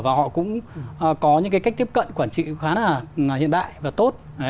và họ cũng có những cái cách tiếp cận quản trị khá là hiện đại và tốt